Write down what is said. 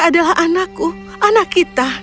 adalah anakku anak kita